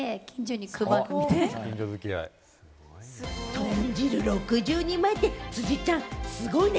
豚汁６０人前って辻ちゃん、すごいね。